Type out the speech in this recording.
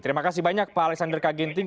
terima kasih banyak pak alexander kaginting